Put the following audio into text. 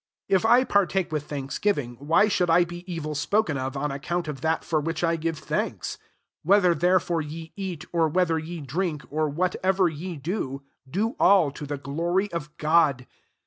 30 If I partake with thanks giving, why should I be evil spoken of on account of that for which I give thanks ? 31 Whether therefore ye eat, or ivhether ye drink, or whatever ^e do, do all to the glory of God.